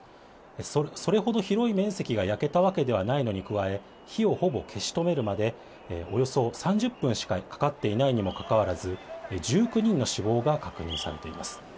それほど広い面積が焼けたわけではないのに加え、火をほぼ消し止めるまで、およそ３０分しかかかっていないにもかかわらず、１９人の死亡が確認されています。